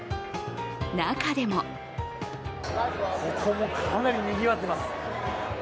中でもここもかなり、にぎわっています